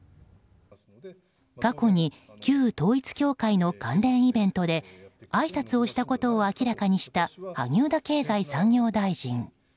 過去に旧統一教会の関連イベントであいさつをしたことを明らかにした萩生田経済産業大臣。